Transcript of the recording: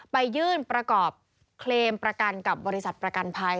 ไปยื่นประกอบเคลมประกันกับบริษัทประกันภัย